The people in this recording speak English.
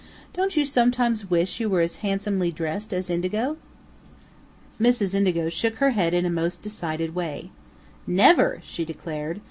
"Don't you sometimes wish you were as handsomely dressed as Indigo?" Mrs. Indigo shook her head in a most decided way. "Never!" she declared.